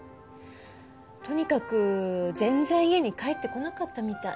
とにかく全然家に帰ってこなかったみたい。